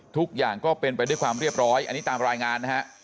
ทุกอย่างก็เป็นไปด้วยความเรียบร้อยอันนี้ตามรายงานนะฮะ